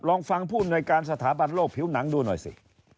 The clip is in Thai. ลองฟังผู้อำนวยการสถาบันโลกผิวหนังดูหน่อยสิ